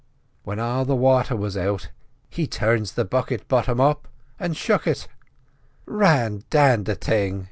When all the wather was out he turns the bucket bottom up, and shook it. "'Ran dan the thing!